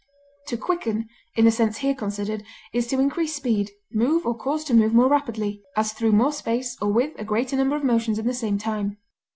To quicken, in the sense here considered, is to increase speed, move or cause to move more rapidly, as through more space or with, a greater number of motions in the same time.